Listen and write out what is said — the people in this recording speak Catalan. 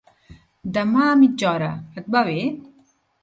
Demà a mitja hora, et va bé?